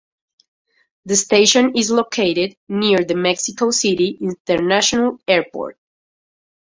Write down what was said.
The station is located near the Mexico City International Airport.